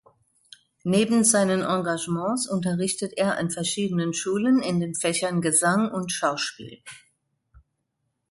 Neben seinen Engagements unterrichtet er an verschiedenen Schulen in den Fächern Gesang und Schauspiel.